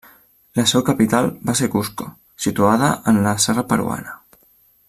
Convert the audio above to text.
El seu capital va ser Cusco, situada en la serra peruana.